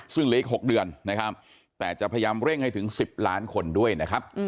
ซึ่งเหลืออีก๖เดือนนะครับแต่จะพยายามเร่งให้ถึง๑๐ล้านคนด้วยนะครับ